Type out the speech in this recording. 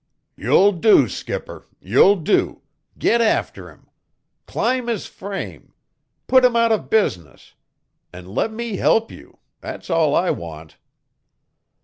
"You'll do, skipper you'll do! Get after him! Climb his frame! Put him out of business. An' let me help you. That's all I want."